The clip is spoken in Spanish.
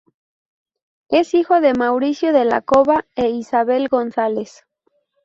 Es hijo de Mauricio de la Cova e Isabel González.